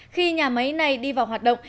khi nhà máy này đi vào hoạt động